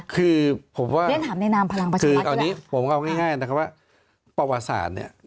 คือผมว่าคืออันนี้ผมเอาง่ายนะครับว่าประวัติศาสตร์เนี่ย